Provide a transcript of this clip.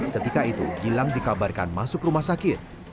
ketika itu gilang dikabarkan masuk rumah sakit